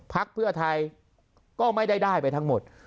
พักเพื่อไทยก็ไม่ได้ได้ไปทั้งหมด